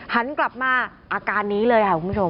หันกลับมาอาการนี้เลยค่ะคุณผู้ชม